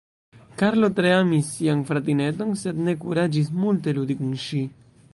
Karlo tre amis sian fratineton, sed ne kuraĝis multe ludi kun ŝi.